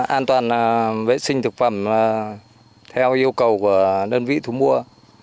an toàn vệ sinh thực phẩm theo yêu cầu của đơn vị thu mua